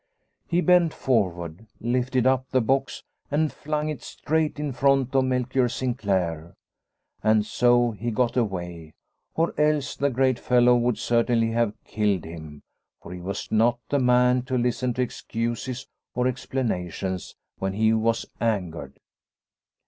He bent forward, lifted up the box and flung it straight in front of Melchior Sinclaire. And so he got away, or else the great fellow would certainly have killed him, for he was not the man to listen to excuses or explanations when he was angered.